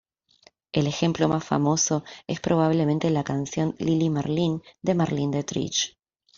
El ejemplo más famoso es probablemente la canción "Lili Marleen" de Marlene Dietrich.